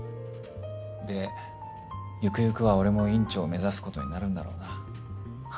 でゆくゆくは俺も院長を目指すことになるんだろうな。